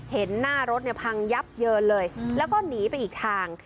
เห็นหน้ารถเนี่ยพังยับเยินเลยแล้วก็หนีไปอีกทาง